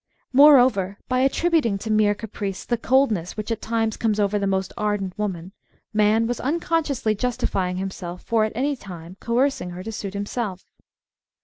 Moreover, by attributing to mere caprice the coldness which at times comes over the most ardent woman, man was unconsciously justifying himself for at any time coercing her to suit himself.